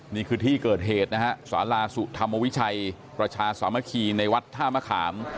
นี่คือที่เกิดเหตุนะฮะสาราสุธรรมวิชัยประชาสามัคคีในวัดท่ามะขาม